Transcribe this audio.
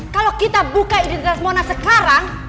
kalau kita buka identitas monas sekarang